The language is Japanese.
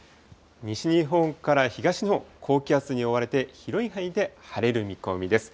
西日本から東日本、高気圧に覆われて、広い範囲で晴れる見込みです。